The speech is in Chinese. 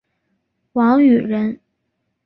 王羽人。